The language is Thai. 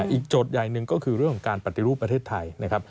โจทย์ใหญ่หนึ่งก็คือเรื่องของการปฏิรูปประเทศไทยนะครับ